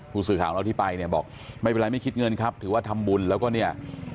ผู้สื่อข่าวของเราที่ไปเนี่ยบอกไม่เป็นไรไม่คิดเงินครับถือว่าทำบุญแล้วก็เนี่ย